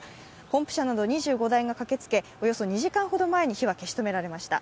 ポンプ車など２５台が駆けつけおよそ２時間ほど前に火は消し止められました。